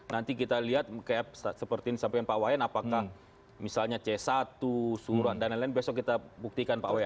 nanti kita lihat seperti yang disampaikan pak wayan apakah misalnya c satu surat dan lain lain besok kita buktikan pak wayan